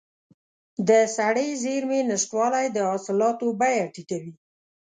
د سړې زېرمې نشتوالی د حاصلاتو بیه ټیټوي.